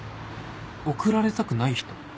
送られたくない人？